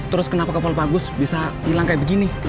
terus kenapa kapal bagus bisa hilang kayak begini